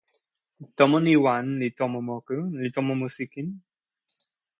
tomo ni wan li tomo moku, li tomo musi kin.